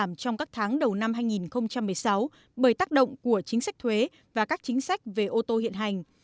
trong các tháng đầu năm hai nghìn một mươi sáu bởi tác động của chính sách thuế và các chính sách về ô tô hiện hành